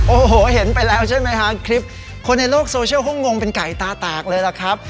โอ้โหเห็นไปแล้วใช่ไหมฮะคลิปคนในโลกโซเชียลเขางงเป็นไก่ตาแตกเลยล่ะครับ